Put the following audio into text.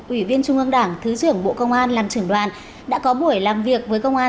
ủy viên trung ương đảng thứ trưởng bộ công an làm trưởng đoàn đã có buổi làm việc với công an